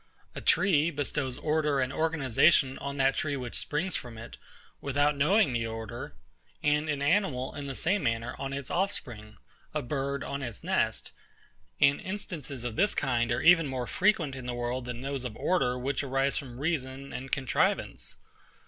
A tree bestows order and organisation on that tree which springs from it, without knowing the order; an animal in the same manner on its offspring; a bird on its nest; and instances of this kind are even more frequent in the world than those of order, which arise from reason and contrivance.